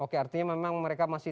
oke artinya memang mereka masih